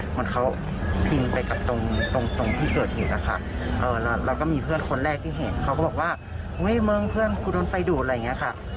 เหมือนเขาพิงไปกับตรงตรงที่เกิดเหตุนะคะแล้วก็มีเพื่อนคนแรกที่เห็นเขาก็บอกว่าเฮ้ยมึงเพื่อนกูโดนไฟดูดอะไรอย่างนี้ค่ะ